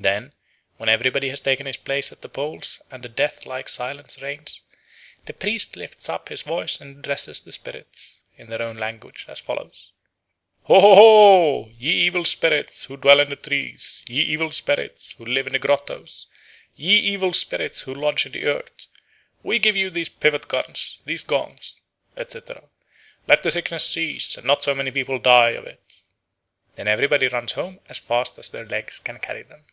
Then, when everybody has taken his place at the poles and a death like silence reigns, the priest lifts up his voice and addresses the spirits in their own language as follows: "Ho! ho! ho! ye evil spirits who dwell in the trees, ye evil spirits who live in the grottoes, ye evil spirits who lodge in the earth, we give you these pivot guns, these gongs, etc. Let the sickness cease and not so many people die of it." Then everybody runs home as fast as their legs can carry them.